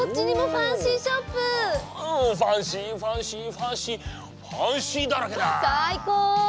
最高！